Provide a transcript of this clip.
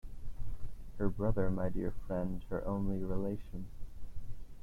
Her brother, my dear friend — her only relation.